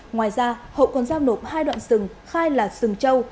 ngoài ra hậu còn giao nộp hai đoạn sừng khai là sừng châu